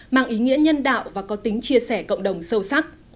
mang ý nghĩa nhân đạo và có tính chia sẻ cộng đồng sâu sắc